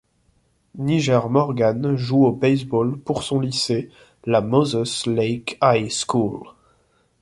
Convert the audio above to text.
Nyjer Morgan joue au baseball pour son lycée, la Moses Lake High School.